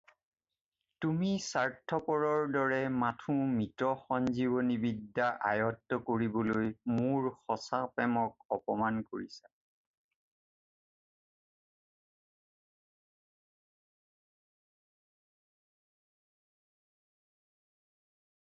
তুমি স্বাৰ্থপৰৰ দৰে মাথোঁ মৃত-সঞ্জীৱনী বিদ্যা আয়ত্ত কৰিবলৈ মোৰ সঁচা প্ৰেমক অপমান কৰিছা।